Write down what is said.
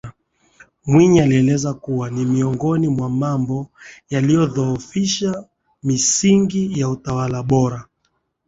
Mwinyi alieleza kuwa ni miongoni mwa mambo yanayodhoofisha misingi ya utawala bora